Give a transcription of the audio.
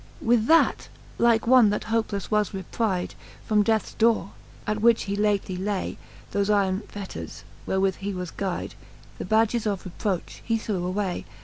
with that, like one, that hopelefle was repryv'd From deaths dore, at which he lately lay, Thole yron fetters, wherewith he was gyv'd. The badges of reproch, he threw away.